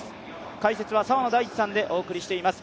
解説は澤野大地さんでお送りしています。